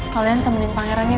kalian temenin pangerannya